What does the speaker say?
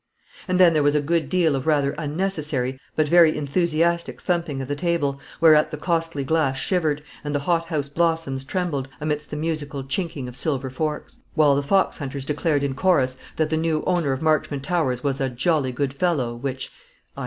And then there was a good deal of rather unnecessary but very enthusiastic thumping of the table, whereat the costly glass shivered, and the hothouse blossoms trembled, amidst the musical chinking of silver forks; while the foxhunters declared in chorus that the new owner of Marchmont Towers was a jolly good fellow, which _i.